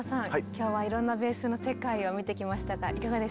今日はいろんなベースの世界を見てきましたがいかがでしたでしょうか？